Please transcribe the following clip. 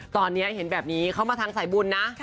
ตอนนี้เห็นแบบนี้เขามาทางสายบุญนะ